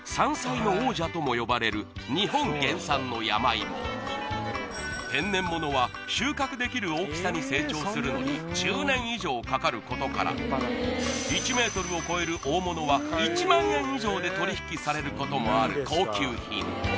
うん天然ものは収穫できる大きさに成長するのに１０年以上かかることから１ｍを超える大物は１万円以上で取り引きされることもある高級品